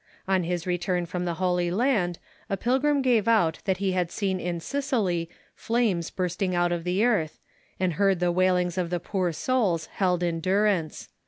On his return from the Holy Land a pilgrim gave out that he had seen in Sicily flames bursting out of the earth, and heard the wailings of the poor souls held in durance.